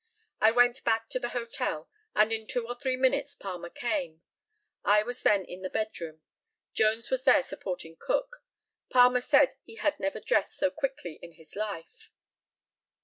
I went back to the hotel, and in two or three minutes Palmer came. I was then in the bed room. Jones was there supporting Cook. Palmer said he had never dressed so quickly in his life.